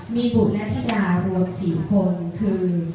มีบุตรและทดารวมสี่คนคือ